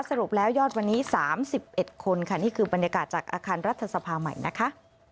สรุปแล้วยอดวันนี้๓๑คนค่ะนี่คือบรรยากาศจากอาคารรัฐสภาใหม่นะคะ